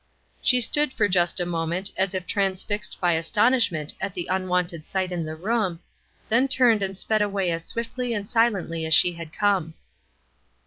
She stood for just a moment, as if transfixed by astonishment at the unwonted sight in the room, then turned and sped away as swiftly and silently as she had come.